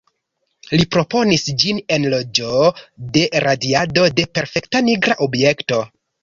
Li proponis ĝin en leĝo de radiado de perfekta nigra objekto.